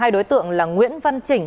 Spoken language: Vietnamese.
hai đối tượng là nguyễn văn chỉnh